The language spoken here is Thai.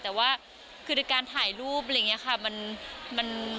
แต่ว่าคือในการถ่ายรูปอะไรอย่างนี้ค่ะ